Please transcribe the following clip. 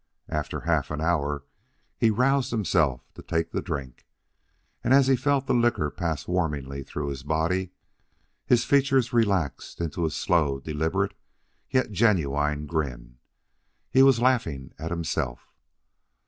After half an hour he roused himself to take the drink, and as he felt the liquor pass warmingly through his body, his features relaxed into a slow, deliberate, yet genuine grin. He was laughing at himself.